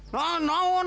nggak lewat nggak lewat